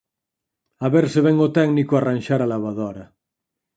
A ver se vén o técnico a arranxar a lavadora.